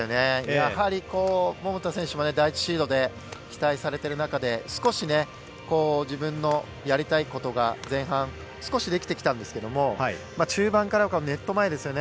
やはり桃田選手も第１シードで期待されている中で少し自分のやりたいことが前半、少しできてきたんですが中盤からはネット前ですよね。